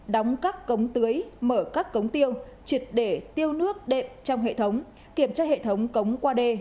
đóng các cống tưới mở các cống tiêu triệt để tiêu nước đệm trong hệ thống kiểm tra hệ thống cống qua đê